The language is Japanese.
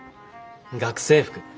学生服。